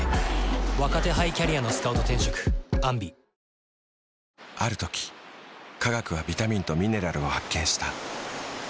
ニトリある時科学はビタミンとミネラルを発見した。